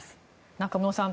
中室さん